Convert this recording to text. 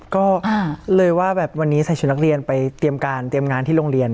ก็เลยว่าแบบวันนี้ใส่ชุดนักเรียนไปเตรียมการเตรียมงานที่โรงเรียน